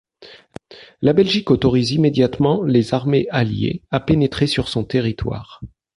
La Belgique autorise immédiatement les armées alliées à pénétrer sur son territoire.